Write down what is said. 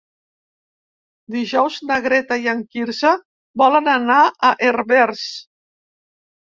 Dijous na Greta i en Quirze volen anar a Herbers.